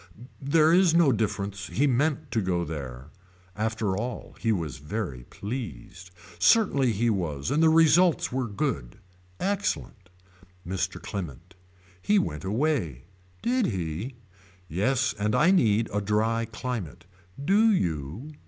There is no difference he meant to go there. After all he was very pleased. Certainly he was and the results were good. Excellent. Mr. Clement. He went away. Did he. Yes and I need a dry climate. Do you.